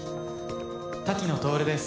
滝野徹です